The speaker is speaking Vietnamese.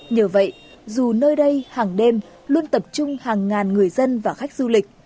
nhờ vậy dù nơi đây hàng đêm luôn tập trung hàng ngàn người dân và khách du lịch